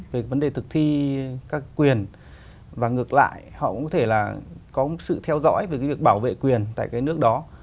về vấn đề thực thi các quyền và ngược lại họ cũng có thể là có một sự theo dõi về cái việc bảo vệ quyền tại cái nước đó